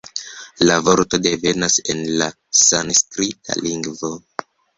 La vorto devenas el la sanskrita lingvo.